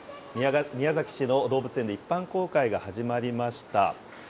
宮崎市の動物園で一般公開が始まりました。